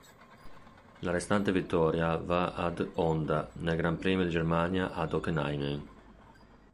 La restante vittoria va ad Honda, nel Gran Premio di Germania ad Hockenheim.